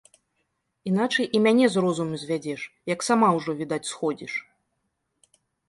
Іначай і мяне з розуму звядзеш, як сама ўжо, відаць, сходзіш.